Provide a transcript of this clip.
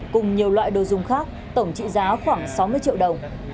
cùng nhiều loại đồ dùng khác tổng trị giá khoảng sáu mươi triệu đồng